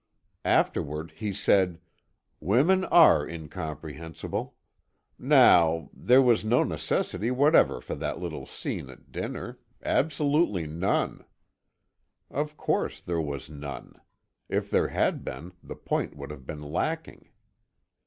Afterward he said: "Women are incomprehensible. Now there was no necessity whatever for that little scene at dinner. Absolutely none." Of course there was none. If there had been, the point would have been lacking.